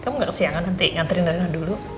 kamu gak kesiangan nanti nganterin reina dulu